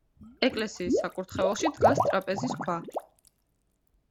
ეკლესიის საკურთხეველში დგას ტრაპეზის ქვა.